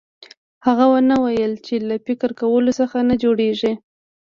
هغه ونه ويل چې له فکر کولو څه نه جوړېږي.